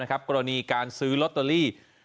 กรณีการซื้อลอตเตอรี่